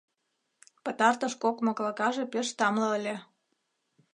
— Пытартыш кок моклакаже пеш тамле ыле.